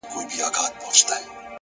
حقیقت تل پاتې وي.!